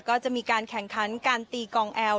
ก็จะมีการแข่งขันการตีกองแอล